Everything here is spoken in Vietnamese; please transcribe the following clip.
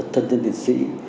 thân dân liệt sĩ